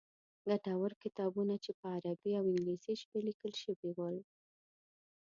ګټور کتابونه چې په عربي او انګلیسي ژبې لیکل شوي ول.